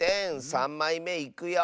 ３まいめいくよ。